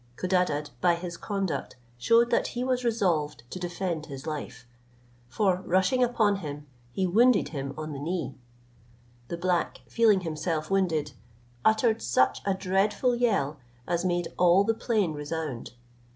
Codadad by his conduct shewed that he was resolved to defend his life; for rushing upon him, he wounded him on the knee. The black, feeling himself wounded, uttered such a dreadful yell as made all the plain resound.